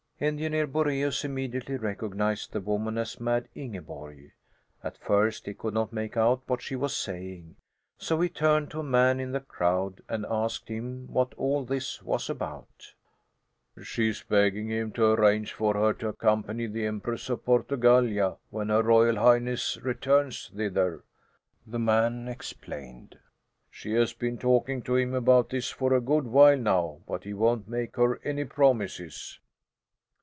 Engineer Boraeus immediately recognized the woman as Mad Ingeborg. At first he could not make out what she was saying, so he turned to a man in the crowd and asked him what all this was about. "She's begging him to arrange for her to accompany the Empress to Portgallia, when Her Royal Highness returns thither," the man explained. "She has been talking to him about this for a good while now, but he won't make her any promises."